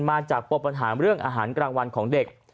มาจากปมปัญหาเรื่องอาหารกลางวันของเด็ก